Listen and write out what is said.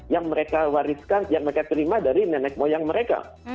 yang mereka wariskan yang mereka terima dari nenek moyang mereka